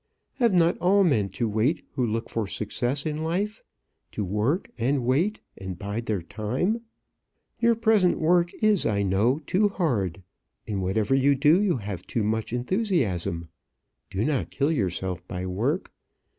Have not all men to wait who look for success in life? to work, and wait, and bide their time? Your present work is, I know, too hard. In whatever you do, you have too much enthusiasm. Do not kill yourself by work.